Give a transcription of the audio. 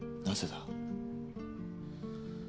なぜだ？